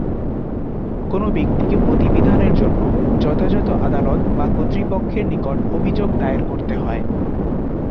কোনো ব্যক্তিকে প্রতিবিধানের জন্য যথাযথ আদালত বা কর্তৃপক্ষের নিকট অভিযোগ দায়ের করতে হয়।